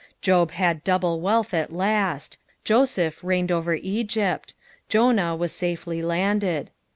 Job had double wealth at last, JosepE reigned over Egypt, Jonah was safely landed.